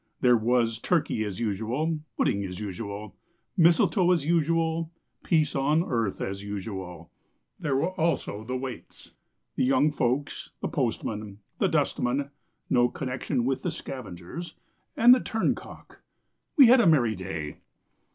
There was turkey as usual, Pudding as usual, Mistletoe as usual, Peace on earth as usual. There were also the waits, The young folks, The postman, The dustman (No connection with the scavengers), And the turncock. We had a merry day.